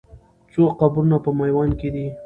څو قبرونه په میوند کې دي؟